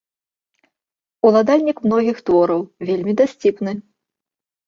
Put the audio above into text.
Уладальнік многіх твораў, вельмі дасціпны.